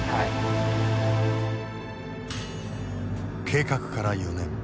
計画から４年。